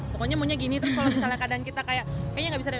pokoknya maunya gini terus kalau misalnya kadang kita kayak kayaknya nggak bisa deh